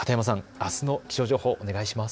あすの気象情報をお願いします。